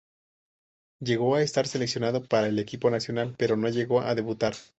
Llegó a estar seleccionado para el equipo nacional, pero no llegó a debutar.